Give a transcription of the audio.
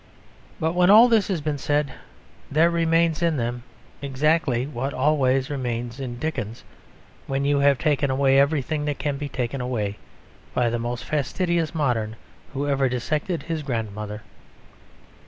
But when all this has been said there remains in them exactly what always remains in Dickens when you have taken away everything that can be taken away by the most fastidious modern who ever dissected his grandmother.